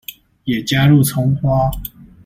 也加入蔥花